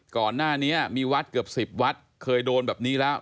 ก่อนหน้านี้มีวัดเกือบ๑๐วัดเคยโดนแบบนี้แล้ว